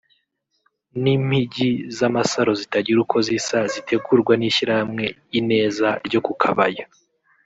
n’impigi z’amasaro zitagira uko zisa zitegurwa n’ishyirahamwe “Ineza” ryo ku Kabya